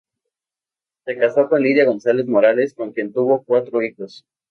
Se casó con Lidia González Morales con quien tuvo cuatro hijos.